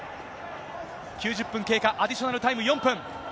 ９０分経過、アディショナルタイム４分。